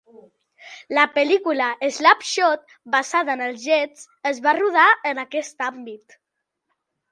La pel·lícula "Slap Shot", basada en els Jets, es va rodar en aquest àmbit.